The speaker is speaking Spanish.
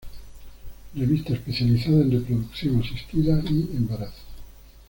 Revista especializada en reproducción asistida y embarazo.